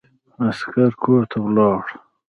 عسکر کورته ولاړ.